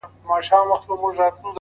د ښکلي شمعي له انګار سره مي نه لګیږي٫